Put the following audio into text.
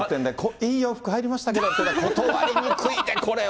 いい洋服入りましたけどって、断りにくいで、これは。